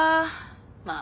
まあ